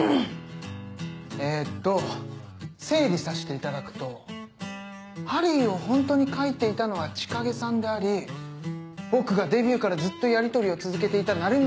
えっと整理させていただくと『ハリー』をホントに描いていたのは千景さんであり僕がデビューからずっとやりとりを続けていた鳴宮